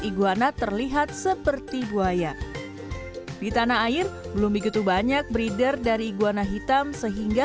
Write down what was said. iguana terlihat seperti buaya di tanah air belum begitu banyak breeder dari iguana hitam sehingga